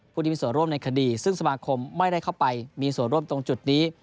ผู้ที่มีส่วนร่วมในคดีซึ่งสมาคมไม่ได้เข้าไปมีส่วนร่วมตรงจุดนี้